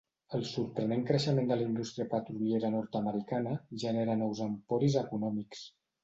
El sorprenent creixement de la indústria petroliera nord-americana genera nous emporis econòmics.